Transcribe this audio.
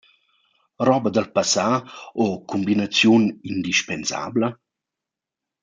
Roba dal passà o cumbinaziun indispensabla?